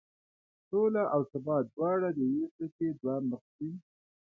سوله او ثبات دواړه د یوې سکې دوه مخ دي.